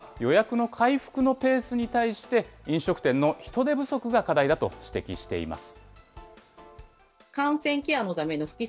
一方、集計した会社は、予約の回復のペースに対して、飲食店の人手不足が課題だと指摘しています。